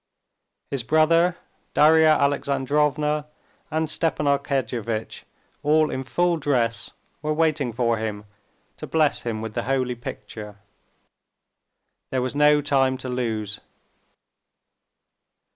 His brother, Darya Alexandrovna, and Stepan Arkadyevitch, all in full dress, were waiting for him to bless him with the holy picture. There was no time to lose.